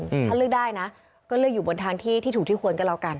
ถ้าเลือกได้นะก็เลือกอยู่บนทางที่ที่ถูกที่ควรก็แล้วกัน